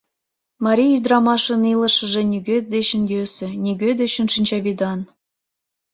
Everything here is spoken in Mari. Марий ӱдырамашын илышыже нигӧ дечын йӧсӧ, нигӧ дечын шинчавӱдан.